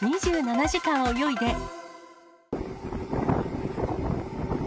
２７時間泳いで。